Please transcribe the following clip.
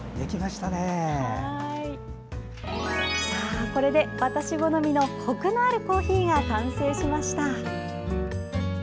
さあこれで、私好みのコクのあるコーヒーが完成しました。